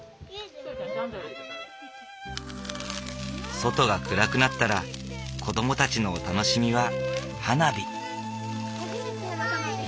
外が暗くなったら子どもたちのお楽しみは花火。